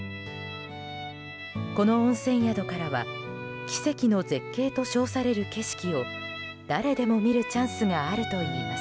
この温泉宿からは奇跡の絶景と称される景色を誰でも見るチャンスがあるといいます。